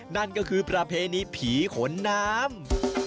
นั่นก็คือประเพณีผีขนน้ำ